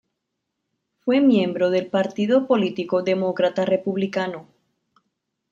Fue miembro del partido político Demócrata-Republicano.